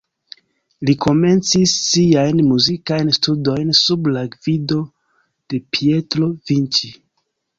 Li komencis siajn muzikajn studojn sub la gvido de Pietro Vinci.